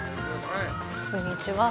こんにちは。